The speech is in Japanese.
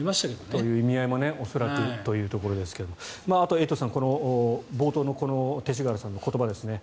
その意味合いも恐らくというところですがあと、エイトさん冒頭の勅使河原さんの言葉ですね。